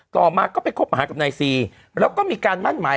ต่อมาก็ไปคบหากับนายซีแล้วก็มีการมั่นหมาย